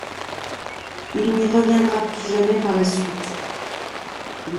Il n'y reviendra plus jamais par la suite.